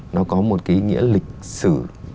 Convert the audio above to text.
nó có một cái nghĩa lịch sử